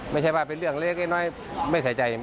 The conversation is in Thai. ไม่ใช่ว่าเป็นเรื่องเล็กน้อยไม่ใส่ใจ